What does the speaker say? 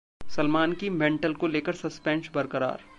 सलमान की 'मेंटल' को लेकर सस्पेंश बरकरार